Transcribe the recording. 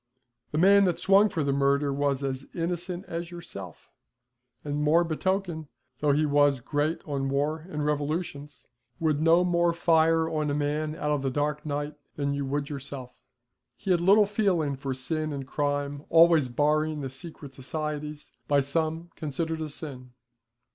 The man that swung for the murder was as innocent as yourself, and more betoken, though he was great on war and revolutions, would no more fire on a man out of the dark night than you would yourself. He had little feeling for sin and crime, always barring the secret societies, by some considered a sin.